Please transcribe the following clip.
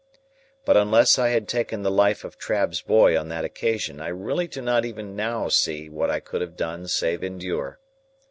But unless I had taken the life of Trabb's boy on that occasion, I really do not even now see what I could have done save endure.